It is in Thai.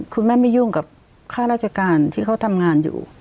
คุณแม่ไม่ยุ่งกับค่าราชการที่เขาทำงานอยู่